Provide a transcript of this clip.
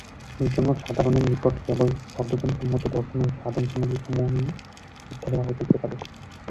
এইজন্য সাধারণের নিকট কেবল সর্বজনসম্মত দর্শন ও সাধনপ্রণালীসমূহই শিক্ষা দেওয়া যাইতে পারে।